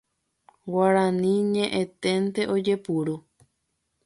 Guarani ñe'ẽténte ojepuru.